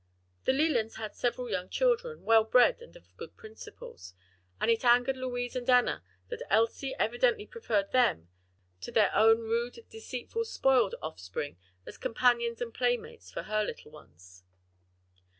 The Lelands had several young children, well bred and of good principles, and it angered Louise and Enna that Elsie evidently preferred them to their own rude, deceitful, spoiled offspring as companions and playmates for her little ones.